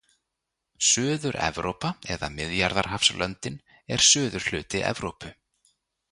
Suður-Evrópa eða Miðjarðarhafslöndin er suðurhluti Evrópu.